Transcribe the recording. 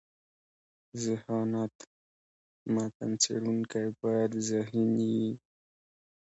ذهانت: متن څړونکی باید ذهین يي.